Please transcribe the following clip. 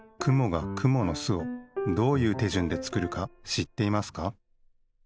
くもがくものすをどういうてじゅんでつくるかしっていますか？